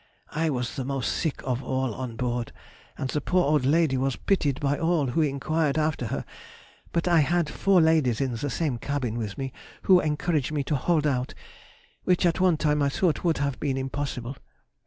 I was the most sick of all on board, and the poor old lady was pitied by all who enquired after her, but I had four ladies in the same cabin with me, who encouraged me to hold out, which at one time I thought would have been impossible.